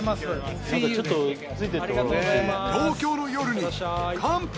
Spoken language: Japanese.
東京の夜に乾杯！